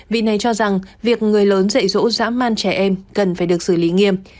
vị này cho rằng việc người lớn dạy dỗ giã man trẻ em cần phải được xử lý nghiêm